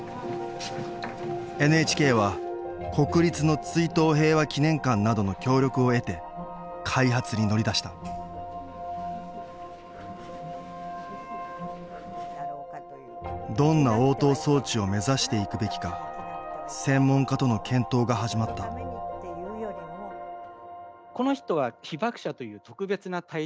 ＮＨＫは国立の追悼平和祈念館などの協力を得て開発に乗り出したどんな応答装置を目指していくべきか専門家との検討が始まったというふうに思います。